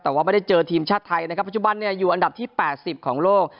แต่ว่าไม่ได้เจอทีมชาติไทยนะครับปัจจุบันเนี่ยอยู่อันดับที่๘๐ของโลก